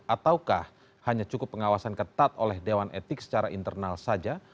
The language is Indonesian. ataukah hanya cukup pengawasan ketat oleh dewan etik secara internal saja